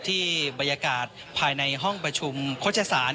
ที่บรรยากาศภายในห้องประชุมโฆษศาล